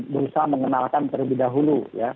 berusaha mengenalkan terlebih dahulu